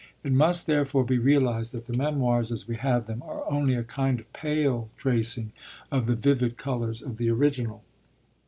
It must, therefore, be realised that the Memoirs, as we have them, are only a kind of pale tracing of the vivid colours of the original.